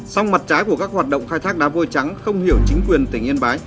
song mặt trái của các hoạt động khai thác đá vôi trắng không hiểu chính quyền tỉnh yên bái